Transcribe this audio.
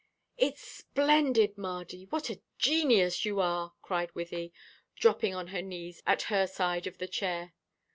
"It's splendid, Mardy; what a genius you are!" cried Wythie, dropping on her knees at her side of the chair.